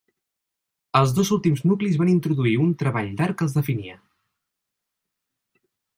Els dos últims nuclis van introduir un treball d'art que els definia.